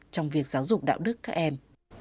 trong việc giáo dục đạo đức các em